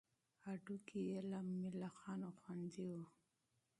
هډوکي یې له ملخانو خوندي وي.